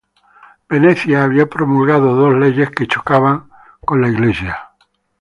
Venecia había promulgado dos leyes que chocaban con la iglesia romana.